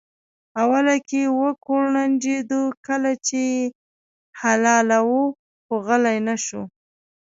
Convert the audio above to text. اوله کې وکوړنجېده کله چې یې حلالاوه خو غلی نه شو.